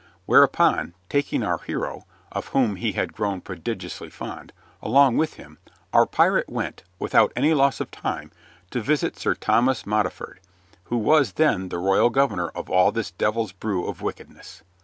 Whereupon, taking our hero (of whom he had grown prodigiously fond) along with him, our pirate went, without any loss of time, to visit Sir Thomas Modiford, who was then the royal governor of all this devil's brew of wickedness.